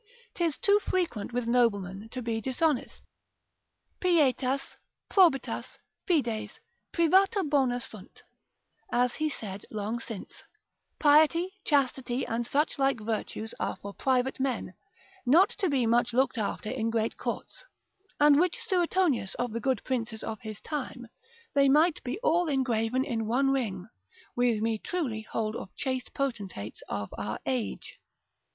'Tis too frequent with noblemen to be dishonest; Pielas, probitas, fides, privata bona sunt, as he said long since, piety, chastity, and such like virtues are for private men: not to be much looked after in great courts: and which Suetonius of the good princes of his time, they might be all engraven in one ring, we may truly hold of chaste potentates of our age.